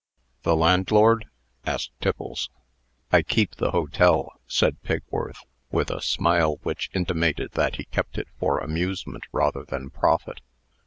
"The landlord?" asked Tiffles. "I keep the hotel," said Pigworth, with a smile which intimated that he kept it for amusement rather than profit.